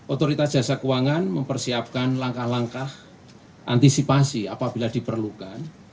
otoritas jasa keuangan mempersiapkan langkah langkah antisipasi apabila diperlukan